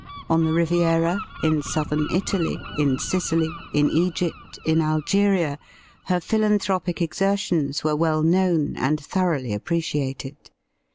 On the Riviera, in Southern Italy, in Sicily, in Egypt, in Algeria, her philanthropic exertions were well known and thoroughly appreciated.